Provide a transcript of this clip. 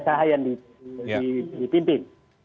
usaha yang dipimpin